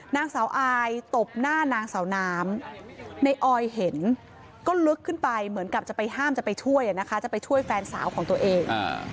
นางสาวอายตบหน้านางสาวน้ำในออยเห็นก็ลึกขึ้นไปเหมือนกับจะไปห้ามจะไปช่วยนะคะจะไปช่วยแฟนสาวของตัวเอง